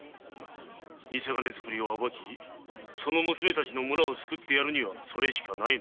ニセ金づくりを暴き娘たちの村を救ってやるにはそれしかない。